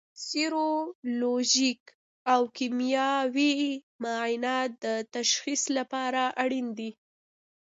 سیرولوژیک او کیمیاوي معاینات د تشخیص لپاره اړین دي.